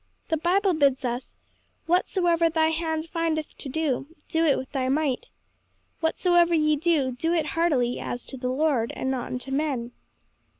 The Bible bids us, 'Whatsoever thy hand findeth to do, do it with thy might. Whatsoever ye do, do it heartily, as to the Lord, and not unto men.'"